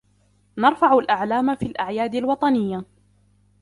نرفع الأعلام في الأعياد الوطنية.